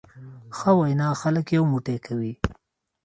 ښه وینا خلک یو موټی کوي.